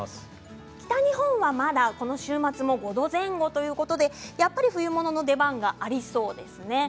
北日本は、まだこの週末は５度前後ということでやっぱり冬物の出番がありそうですね。